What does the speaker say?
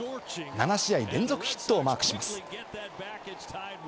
７試合連続ヒットをマークします。